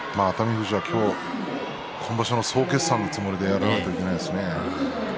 富士は今日今場所の総決算のつもりでやらないといけないですね。